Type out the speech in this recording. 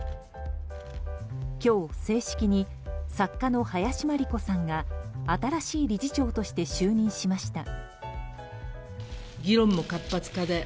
今日、正式に作家の林真理子さんが新しい理事長として就任しました。